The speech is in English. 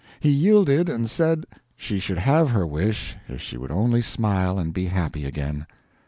He yielded and said she should have her wish if she would only smile and be happy again.